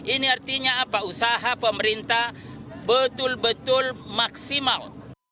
ini artinya apa usaha pemerintah betul betul maksimal